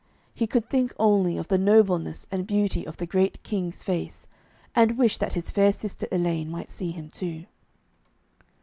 He could think only of the nobleness and beauty of the great King's face, and wish that his fair sister Elaine might see him too.